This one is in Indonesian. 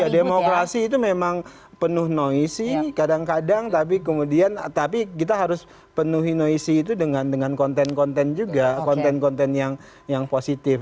demokrasi itu memang penuh noise y kadang kadang tapi kita harus penuhi noise y itu dengan konten konten juga konten konten yang positif